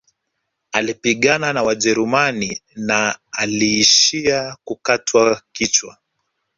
Alipigana na wajerumani na aliishia kukatwa kichwa